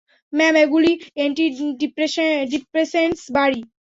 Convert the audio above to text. Ma'am, এগুলি antidepressants বড়ি।